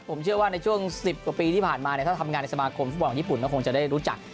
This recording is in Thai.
ผมเชื่อว่าในช่วง๑๐กว่าปีที่ผ่านมาถ้าทำงานในสมาคมฟุตบอลญี่ปุ่นก็คงจะได้รู้จัก